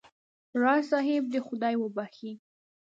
راز صاحب دې خدای وبخښي.